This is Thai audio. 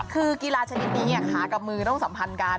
คือกีฬาชนิดนี้ขากับมือต้องสัมพันธ์กัน